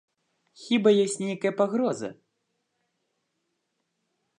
Хіба ёсць нейкая пагроза?